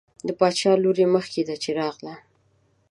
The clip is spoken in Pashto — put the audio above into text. د باچا لور یې مخکې ده چې راغله.